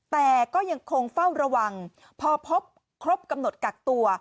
แต่ก็ยังคงเฝ้าระวังพอพบครบกำหนดกักตัว